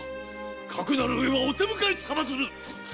かくなる上はお手向かいつかまつる！